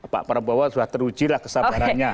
pak prabowo sudah teruji lah kesabarannya